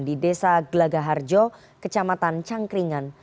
di desa gelagaharjo kecamatan cangkringan